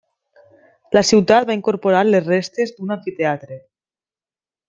La ciutat va incorporar les restes d’un amfiteatre.